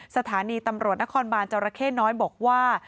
สถานีตำรวจนครบานจรเข้น้อยบอกว่า